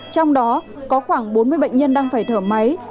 trong đó có khoảng bốn mươi bệnh nhân đang phải thở máy